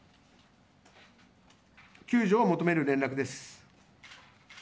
救助を求める連絡です。